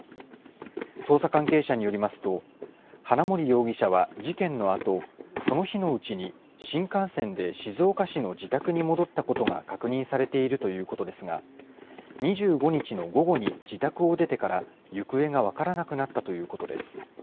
捜査関係者によりますと、花森容疑者は事件のあと、その日のうちに新幹線で静岡市の自宅に戻ったことが確認されているということですが、２５日の午後に自宅を出てから、行方が分からなくなったということです。